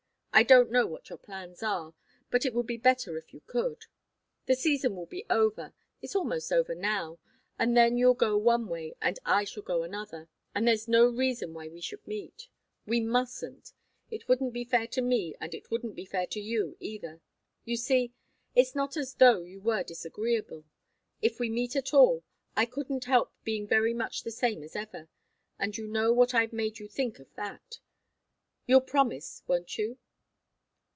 I don't know what your plans are, but it would be better if you could. The season will be over it's almost over now, and then you'll go one way and I shall go another, and there's no reason why we should meet. We mustn't. It wouldn't be fair to me, and it wouldn't be fair to you, either. You see it's not as though you were disagreeable. If we meet at all, I couldn't help being very much the same as ever, and you know what I've made you think of that. You'll promise, won't you?"